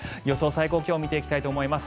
最高気温見ていきたいと思います。